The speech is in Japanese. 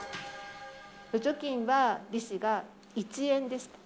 預貯金は利子が１円でした。